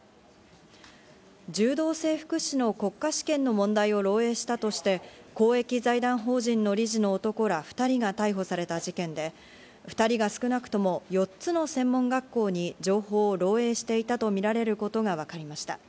柔道整復師の国家試験の問題を漏えいしたとして、公益財団法人の理事の男ら２人が逮捕された事件で、２人は少なくとも４つの専門学校に情報を漏えいしていたとみられることがわかりました。